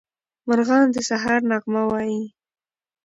مارغان د سهار نغمه وايي.